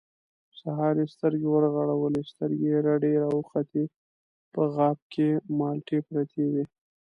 سهار يې سترګې ورغړولې، سترګې يې رډې راوختې، په غاب کې مالټې پرتې وې.